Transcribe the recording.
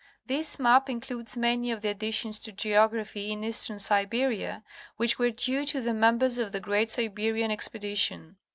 This map includes many of the additions to geography in eastern Siberia which were due to the members of the great Siberian expedi tion.